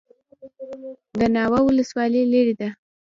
د ناوه ولسوالۍ لیرې ده